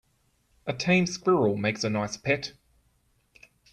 A tame squirrel makes a nice pet.